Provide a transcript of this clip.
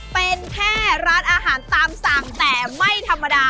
เป็นแค่ร้านอาหารตามสั่งแต่ไม่ธรรมดา